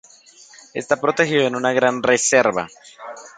Está protegido en una gran reserva.